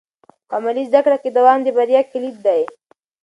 په عملي زده کړه کې دوام د بریا کلید دی.